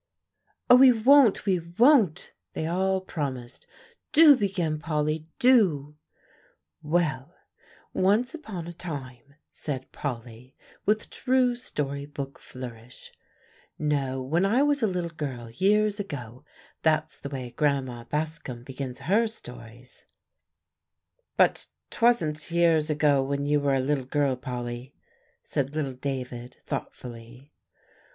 "Oh, we won't; we won't!" they all promised. "Do begin, Polly, do." "Well, once upon a time," said Polly, with true story book flourish, "no, when I was a little girl, years ago, that's the way Grandma Bascom begins her stories" "But 'twasn't years ago when you were a little girl, Polly," said little David thoughtfully.